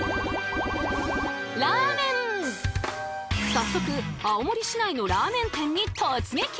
早速青森市内のラーメン店に突撃！